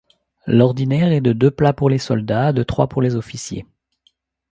L’ordinaire est de deux plats pour les soldats, de trois pour les officiers.